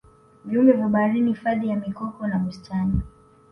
viumbe vya baharini Hifadhi ya mikoko na bustani